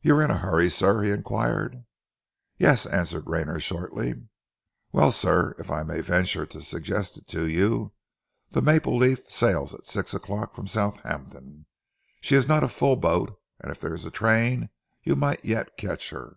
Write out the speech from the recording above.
"You are in a hurry, sir?" he inquired "Yes," answered Rayner shortly. "Well, sir, if I may venture to suggest it to you, the Maple Leaf sails at six o'clock from Southampton. She is not a full boat, and if there is a train you might yet catch her."